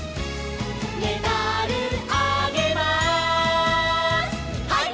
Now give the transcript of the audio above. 「メダルあげます」「ハイ！